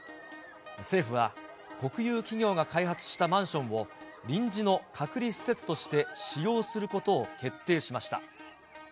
政府は、国有企業が開発したマンションを、臨時の隔離施設として使用することを決定しました。